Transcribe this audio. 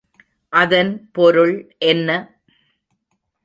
அதன் பொருள் என்ன?